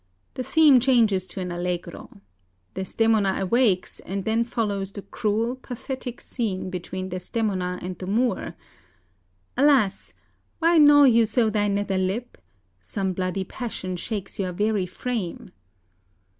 The theme changes to an allegro. Desdemona awakes, and then follows the cruel, pathetic scene between Desdemona and the Moor: "'Alas, why gnaw you so thy nether lip? Some bloody passion shakes your very frame.'